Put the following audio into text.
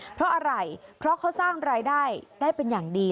เพราะอะไรเพราะเขาสร้างรายได้ได้เป็นอย่างดี